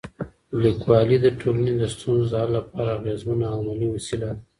لیکوالی د ټولنې د ستونزو د حل لپاره اغېزمن او عملي وسیله ده.